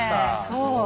そう。